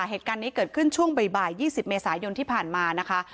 เหตุการณ์นี้เกิดขึ้นช่วงบ่าย๒๐เมษายนที่ผ่านมานะคะ